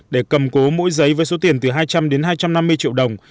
để cầm cố mỗi giấy với số tiền từ hai trăm linh đến hai trăm năm mươi triệu đồng